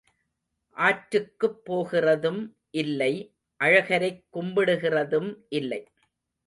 ஆற்றுக்குப் போகிறதும் இல்லை அழகரைக் கும்பிடுகிறதும் இல்லை.